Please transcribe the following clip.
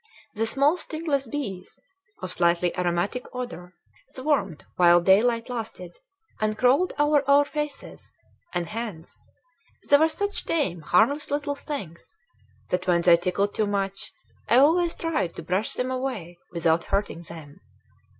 The small stingless bees, of slightly aromatic odor, swarmed while daylight lasted and crawled over our faces and hands; they were such tame, harmless little things that when they tickled too much I always tried to brush them away without hurting them.